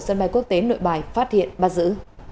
sân bay quốc tế nội bài phát hiện bắt giữ